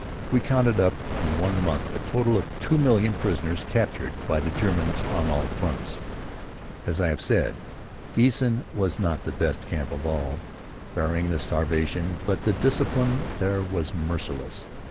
We counted up in one month a total of two million prisoners captured by the Germans on all fronts. As I have said, Giessen was the best camp of all, barring the starvation. But the discipline there was merciless.